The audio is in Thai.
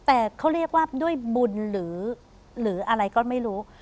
แต่เขาเรียกว่าด้วยบุญหรืออะไรก็ไม่รู้